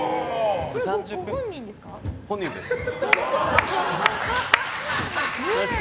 ご本人ですか？